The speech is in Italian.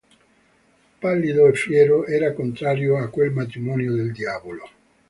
Pallido e fiero, era contrario a quel matrimonio del diavolo.